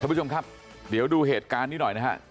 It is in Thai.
ผู้ชมครับเดี๋ยวดูเหตุการณ์นี้หน่อยนะฮะ